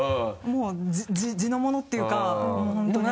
もう地のものっていうかもう本当に。